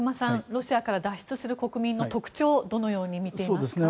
ロシアから脱出する国民の特徴、どのように見ていますか。